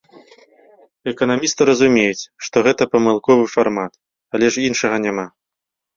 Эканамісты разумеюць, што гэта памылковы фармат, але ж іншага няма.